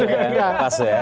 udah pas ya